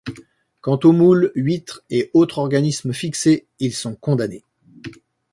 Quant aux moules, huîtres et autres organismes fixés, ils sont condamnés.